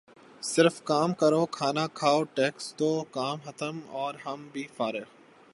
صرف کام کرو کھانا کھاؤ ٹیکس دو کام ختم اور ہم بھی فارخ